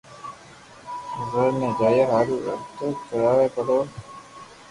بزار م جايا هارون رڪۮه ڪراوئ پڙو هي